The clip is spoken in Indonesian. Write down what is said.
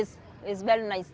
juga tempat ini sangat baik